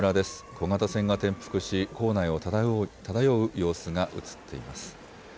小型船が転覆し港内を漂う様子が写っています。